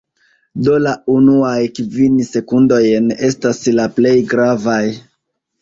Do la unuaj kvin sekundojn estas la plej gravaj